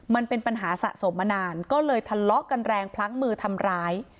มันเป็นปัญหาสะสมมานานก็เลยทะเลาะกันแรงพลั้งมือทำร้าย